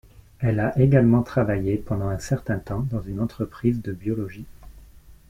Elle a également travaillé pendant un certain temps dans une entreprise de biologie.